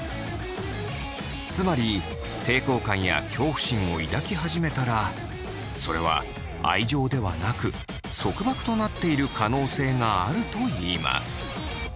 つまり抵抗感や恐怖心を抱き始めたらそれは愛情ではなく束縛となっている可能性があるといいます。